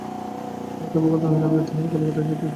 তাহাতে অবগত হইলাম যে, তাঁহারা কলিকাতায় আসিতেছেন।